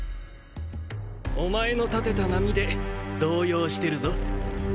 お前の立てた波で動揺してるぞ。